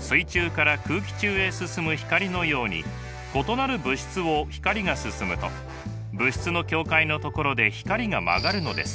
水中から空気中へ進む光のように異なる物質を光が進むと物質の境界のところで光が曲がるのです。